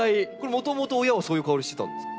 もともと親はそういう香りしてたんですか？